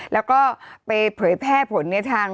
แล้วก็ไปเผยแพร่ผล